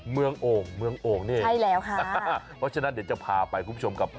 เมืองโอ่งเนี่ยเพราะฉะนั้นเดี๋ยวจะพาไปคุณผู้ชมกับ